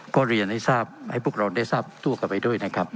ก็เรียนให้ทราบให้พวกเราได้ทราบทั่วกันไปด้วยนะครับ